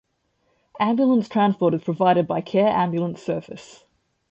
Ambulance transport is provided by Care Ambulance Service.